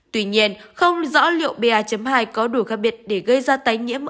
tuy nhiên không rõ liệu ba hai có đủ khác biệt để gây ra tái nhiễm